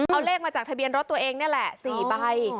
เอาเลขมาจากทะเบียนรถตัวเองนี่แหละ๔ใบ